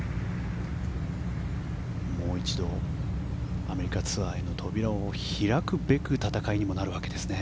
もう一度アメリカツアーへの扉を開くべく戦いにもなるわけですね。